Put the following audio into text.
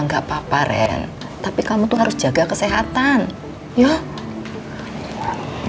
gak apa apa ren tapi kamu tuh harus jaga kesehatan ya